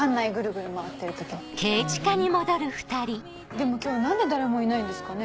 でも今日何で誰もいないんですかね。